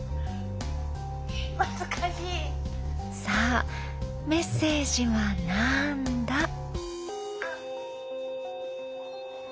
さあメッセージはなんだ？